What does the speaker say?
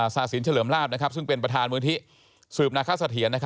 ศาสินเจริมลาบซึ่งเป็นประธานมือธิสืบนักข้าวสะเทียน